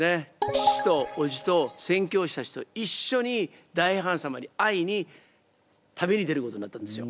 父とおじと宣教師たちといっしょに大ハーン様に会いに旅に出ることになったんですよ。